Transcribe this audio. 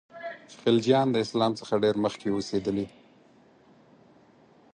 خلجیان د اسلام څخه ډېر مخکي اوسېدلي.